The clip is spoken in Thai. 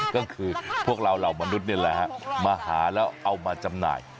ก็คือพวกเราเหล่ามนุษย์นี่แหละฮะมาหาแล้วเอามาจำหน่าย